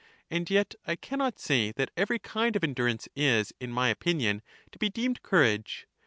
And yet I can not say that every kind of endurance is, in my opinion, to be deemed courage.